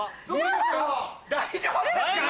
大丈夫ですか？